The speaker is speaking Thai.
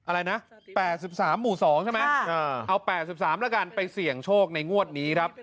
อะไรนะแปดสิบสามหมู่สองใช่ไหมค่ะเอาแปดสิบสามแล้วกันไปเสี่ยงโชคในงวดนี้ครับ